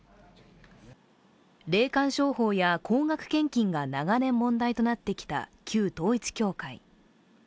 霊感商法や高額献金が長年問題となってきた旧統一教会。